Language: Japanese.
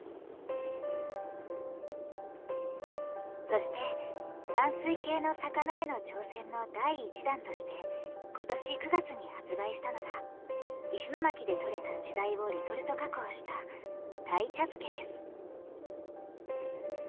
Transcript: そして暖水系の魚への挑戦の第一弾として今年９月に発売したのが石巻で取れたチダイをレトルト加工した鯛茶漬けです。